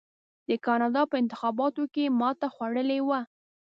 د کاناډا په انتخاباتو کې ماته خوړلې وه.